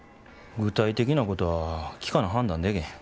具体的なことは聞かな判断でけへん。